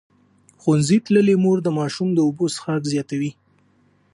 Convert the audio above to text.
ښوونځې تللې مور د ماشوم د اوبو څښاک زیاتوي.